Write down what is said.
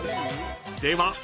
［では］